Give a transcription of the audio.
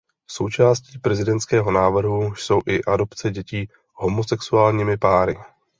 Součástí prezidentského návrhu jsou i adopce dětí homosexuálními páry.